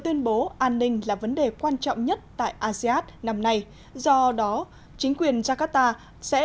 báo an ninh là vấn đề quan trọng nhất tại asean năm nay do đó chính quyền jakarta sẽ